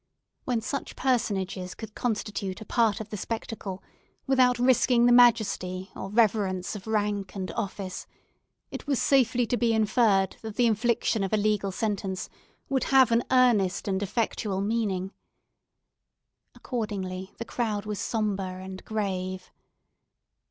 When such personages could constitute a part of the spectacle, without risking the majesty, or reverence of rank and office, it was safely to be inferred that the infliction of a legal sentence would have an earnest and effectual meaning. Accordingly, the crowd was sombre and grave.